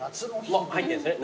もう入ってんですね